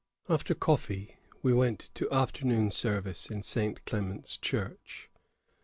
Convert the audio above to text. After coffee, we went to afternoon service in St. Clement's church.